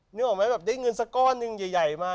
แต๊ะนึกออกไหมได้เงินซักก้อนหนึ่งใหญ่